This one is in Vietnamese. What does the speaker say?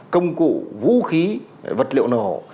công cụ vũ khí vật liệu nổ